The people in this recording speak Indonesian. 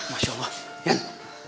masya allah ian